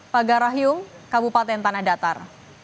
pagarahyung kabupaten tanah datar